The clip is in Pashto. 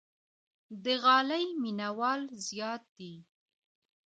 د غالۍ مینوال زیات دي.